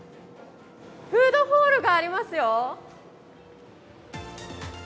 フードホールがありますよ。